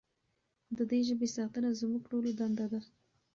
د دې ژبې ساتنه زموږ ټولو دنده ده.